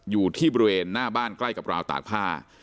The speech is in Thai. อยู่ที่บริเวณหน้าบ้านใกล้กับราวตากผ้า